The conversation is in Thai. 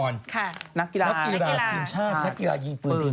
นักกีฬาทีมชาติ